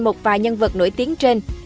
một vài nhân vật nổi tiếng trên